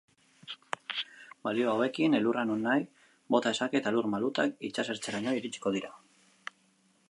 Balio hauekin, elurra nonahi bota dezake eta elur malutak itsasertzeraino iritsiko dira.